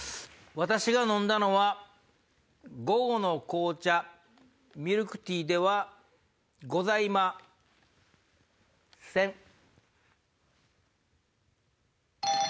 私が飲んだのは午後の紅茶ミルクティーではございません。